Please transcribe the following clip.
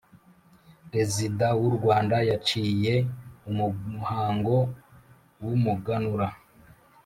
rezida w'u rwanda yaciye umuhango w'umuganura